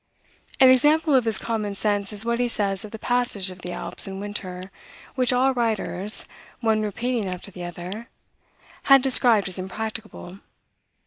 An example of his common sense is what he says of the passage of the Alps in winter, which all writers, one repeating after the other, had described as impracticable.